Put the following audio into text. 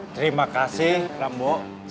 terima kasih rambo